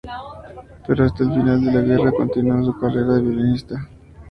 Pero hasta el final de la guerra, continuó su carrera de violinista.